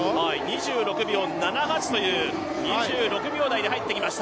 ２６秒７８という、２６秒台で入ってきました。